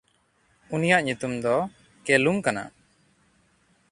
ᱩᱱᱤᱭᱟᱜ ᱧᱩᱛᱩᱢ ᱫᱚ ᱠᱮᱞᱩᱢ ᱠᱟᱱᱟ᱾